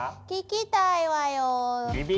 聞きたいわよ。